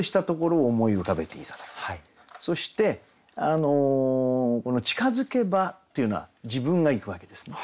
そして「近づけば」というのは自分が行くわけですね。